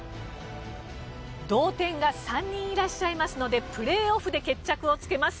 同点が３人いらっしゃいますのでプレーオフで決着をつけます。